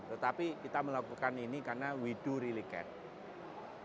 tetapi kita melakukan ini karena we do really care